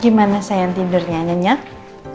gimana sayang tidurnya nyanyak